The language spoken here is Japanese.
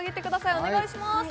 お願いします